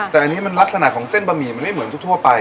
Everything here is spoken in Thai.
แต่อันนี้มันลักษณะของเส้นบะหมี่มันไม่เหมือนทั่วไป